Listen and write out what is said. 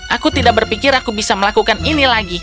aku tidak berpikir aku bisa melakukan ini lagi